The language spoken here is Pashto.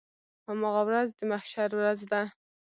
هماغه ورځ د محشر ورځ ده.